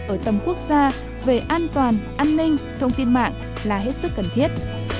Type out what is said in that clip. ở tầm quốc gia về an toàn an ninh thông tin mạng là hết sức cần thiết